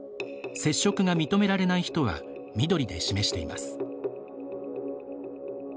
接触が認められない人は緑で示しています。